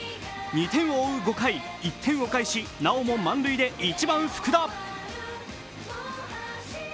２点を追う５回、１点を返しなおも満塁で１番・福田。